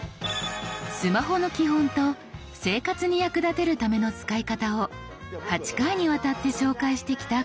スマホの基本と生活に役立てるための使い方を８回にわたって紹介してきたこのシリーズ。